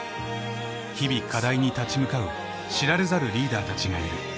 日々課題に立ち向かう知られざるリーダーたちがいる。